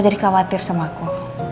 jadi khawatir sama aku